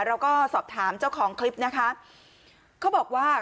เราก็สอบถามเจ้าของคลิปนะคะเขาบอกว่า